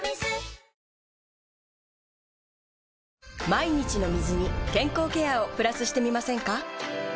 毎日の水に健康ケアをプラスしてみませんか？